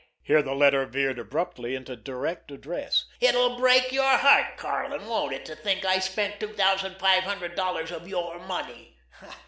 Here the letter veered abruptly into direct address: "It'll break your heart, Karlin, won't it, to think I spent two thousand five hundred dollars of your money!